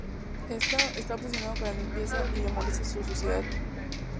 Está obsesionado con la limpieza y le molesta la suciedad.